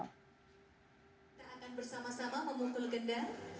kita akan bersama sama memukul gendang